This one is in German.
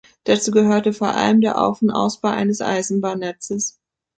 Dazu gehörte vor allem der Auf- und Ausbau eines Eisenbahnnetzes.